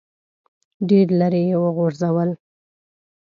ډېر لیرې یې وغورځول.